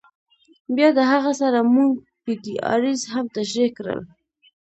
بیا د هغه سره مونږ پی ډی آریز هم تشریح کړل.